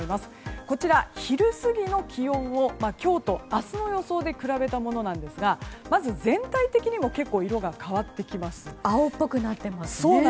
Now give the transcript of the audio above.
こちら、昼過ぎの気温を今日と明日の予想で比べたものですがまず全体的に結構、色が青っぽくなってますね。